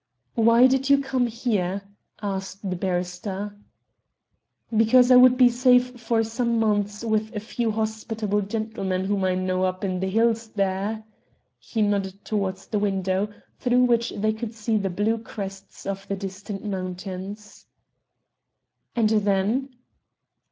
"Why did you come here?" asked the barrister. "Because I would be safe for some months with a few hospitable gentlemen whom I know up in the hills there." He nodded towards the window, through which they could see the blue crests of the distant mountains. "And then?"